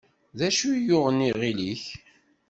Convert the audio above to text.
D acu i yuɣen iɣil-ik?